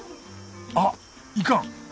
あっいかん！